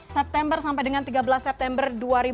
september sampai dengan tiga belas september dua ribu dua puluh